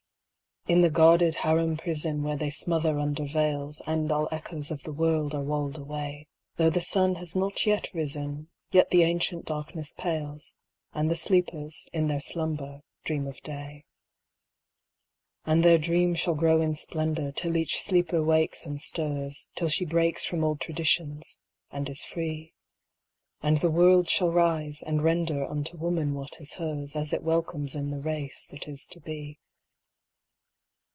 In the guarded harem prison, Where they smother under veils, And all echoes of the world are walled away; Though the sun has not yet risen, Yet the ancient darkness pales, And the sleepers, in their slumber, dream of day. And their dream shall grow in splendour Till each sleeper wakes, and stirs; Till she breaks from old traditions, and is free; And the world shall rise, and render Unto woman what is hers, As it welcomes in the race that is to be.